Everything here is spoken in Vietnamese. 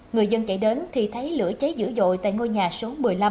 người dân chạy đến thì thấy lửa cháy dữ dội tại ngôi nhà số một mươi năm